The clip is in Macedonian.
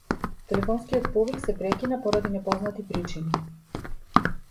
Телефонскиот повик се прекина поради непознати причини.